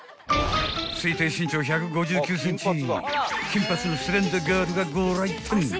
［推定身長１５９ｃｍ金髪のスレンダーガールがご来店］